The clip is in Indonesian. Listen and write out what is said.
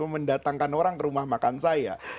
mendatangkan orang ke rumah makan saya